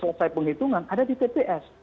selesai penghitungan ada di tps